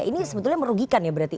ini sebetulnya merugikan ya berarti